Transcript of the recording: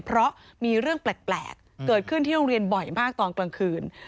เพราะมีเรื่องแปลกเกิดขึ้นที่โรงเรียนบ่อยมากตอนกลางคืน